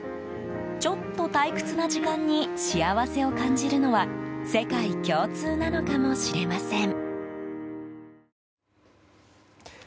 ちょっと退屈な時間に幸せを感じるのは世界共通なのかもしれません。